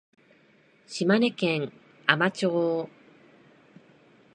島根県海士町